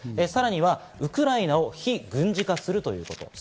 さらにはウクライナを非軍事化するということ。